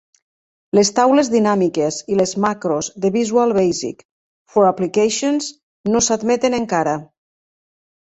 Les taules dinàmiques i les macros de Visual Basic for Applications no s'admeten encara.